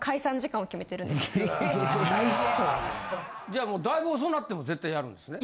じゃあだいぶ遅なっても絶対やるんですね。